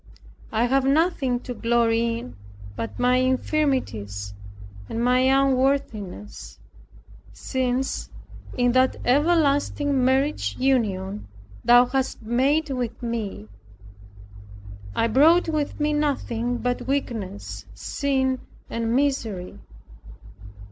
I have nothing to glory in but my infirmities and my unworthiness, since, in that everlasting marriage union thou hast made with me, I brought with me nothing but weakness, sin and misery.